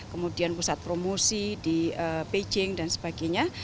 kemudian pusat promosi di beijing dan sebagainya